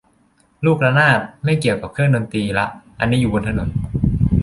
ลูกระนาด ไม่เกี่ยวกับเครื่องดนตรีละ อันนี้อยู่บนถนน